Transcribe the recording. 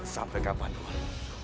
sampai kapan wul